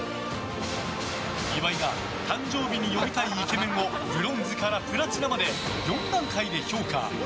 岩井が誕生日に呼びたいイケメンをブロンズからプラチナまで４段階で評価。